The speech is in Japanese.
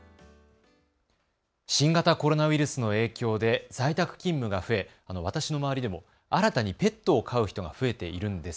新型コロナウイルスの影響で在宅勤務が増え、私の周りでも新たにペットを飼う人が増えているんです。